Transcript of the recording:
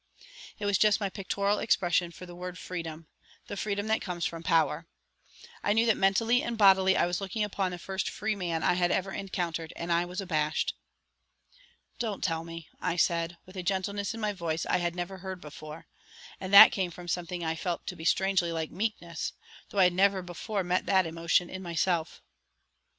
It was just my pictorial expression for the word freedom, the freedom that comes from power. I knew that mentally and bodily I was looking upon the first free man I had ever encountered, and I was abashed. "Don't tell me," I said, with a gentleness in my voice I had never heard before, and that came from something that I felt to be strangely like meekness, though I had never before met that emotion in myself.